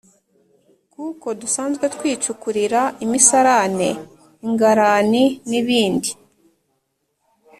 kuko dusanzwe twicukurira imisarane, ingarani n’ibindi.